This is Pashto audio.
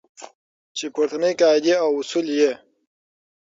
چې پورتنۍ قاعدې او اصول یې